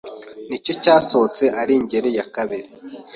Ni cyo cyasohotse ari “ingeri ya kabiri